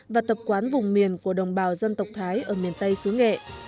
và tập quán vùng miền của đồng bào dân tộc thái ở miền tây xứ nghệ